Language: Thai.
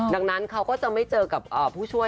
ดังนั้นเขาก็จะไม่เจอกับผู้ช่วย